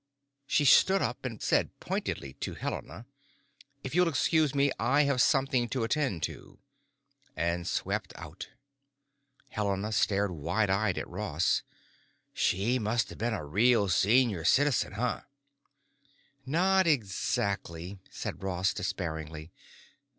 She stood up and said pointedly to Helena, "If you'll excuse me, I have something to attend to." And swept out. Helena stared wide eyed at Ross. "She must've been a real Senior Citizen, huh?" "Not exactly," said Ross despairingly.